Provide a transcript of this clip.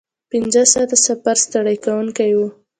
پنځه ساعته سفر ستړی کوونکی و.